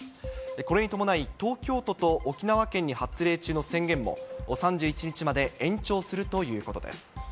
これに伴い、東京都と沖縄県に発令中の宣言も、３１日まで延長するということです。